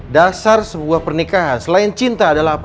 dasar sebuah pernikahan selain cinta adalah apa